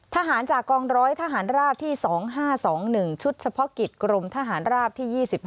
ทหารจากกองร้อยทหารราบที่๒๕๒๑ชุดเฉพาะกิจกรมทหารราบที่๒๕